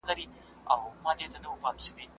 پاکوالي وساته.